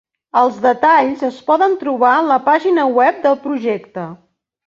Els detalls es poden trobar en la pàgina web del projecte.